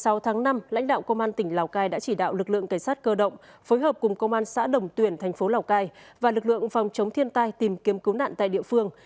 sau tháng năm lãnh đạo công an tỉnh lào cai đã chỉ đạo lực lượng cảnh sát cơ động phối hợp cùng công an xã đồng tuyển thành phố lào cai và lực lượng phòng chống thiên tai tìm kiếm cứu nạn tại địa phương